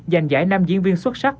giành giải nam diễn viên xuất sắc